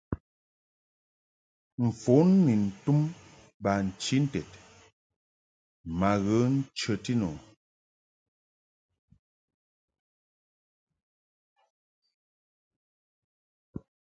Mfon ni ntum bachinted ma ghə nchəti nu.